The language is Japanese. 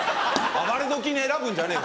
暴れ時に選ぶんじゃねえよ